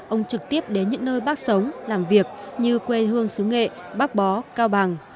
ông trực tiếp đến những nơi bác sống làm việc như quê hương xứ nghệ bắc bó cao bằng